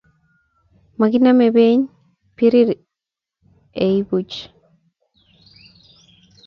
Makinamei beny birir ei buch